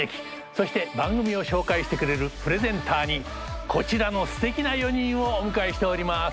そして番組を紹介してくれるプレゼンターにこちらのすてきな４人をお迎えしております。